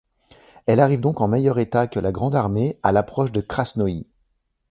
Elle arrive donc en meilleur état que la Grande Armée à l’approche de Krasnoï.